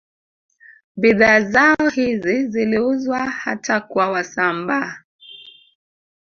Bidhaa zao hizi ziliuzwa hata kwa Wasambaa